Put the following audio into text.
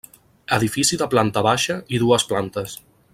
Edifici de planta baixa i dues plantes.